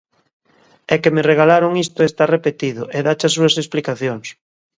É que me regalaron isto e está repetido, e dáche as súas explicacións.